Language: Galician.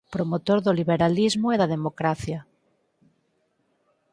Promotor do liberalismo e da democracia.